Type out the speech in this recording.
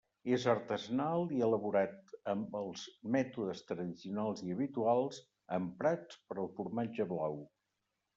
És artesanal i elaborat amb els mètodes tradicionals i habituals emprats per al formatge blau.